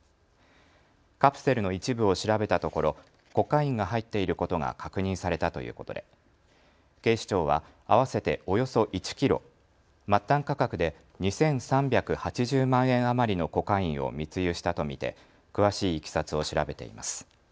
カプセルの一部を調べたところ、コカインが入っていることが確認されたということで警視庁は合わせておよそ１キロ、末端価格で２３８０万円余りのコカインを密輸したと見て詳しいいきさつを調べています。